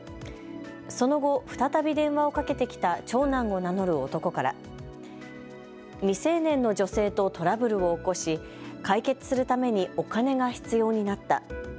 その後、再び電話をかけてきた長男を名乗る男から未成年の女性とトラブルを起こし解決するためにお金が必要になった。